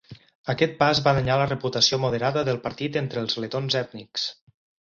Aquest pas va danyar la reputació moderada del partit entre els letons ètnics.